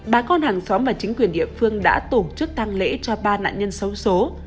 bà con hàng xóm mà chính quyền địa phương đã tổ chức tăng lễ cho ba nạn nhân xấu xố